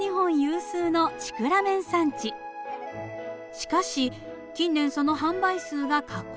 しかし近年その販売数が下降。